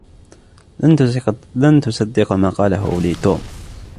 لن تصدّق ما قاله لي توم!